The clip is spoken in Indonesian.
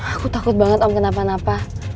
aku takut banget om kenapa napa